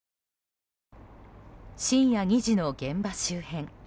深夜２時の現場周辺。